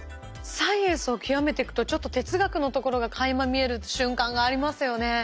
サイエンスを究めてくとちょっと哲学のところがかいま見える瞬間がありますよね。